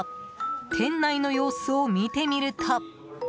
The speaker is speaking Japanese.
店内の様子を見てみると。